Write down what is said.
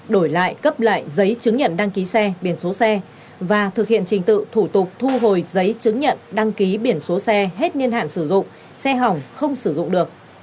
đổi lại cấp lại giấy chứng nhận đăng ký xe biển số xe và thực hiện trình tự thủ tục thu hồi giấy chứng nhận đăng ký biển số xe hết niên hạn sử dụng xe hỏng không sử dụng được